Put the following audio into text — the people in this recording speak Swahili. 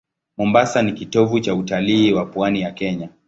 Mombasa ni kitovu cha utalii wa pwani ya Kenya.